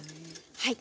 はい。